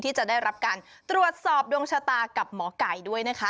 ที่จะได้รับการตรวจสอบดวงชะตากับหมอไก่ด้วยนะคะ